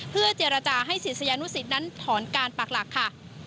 เพื่อเจรจาให้ศิษยานุสิตนั้นถอนการปากหลักค่ะ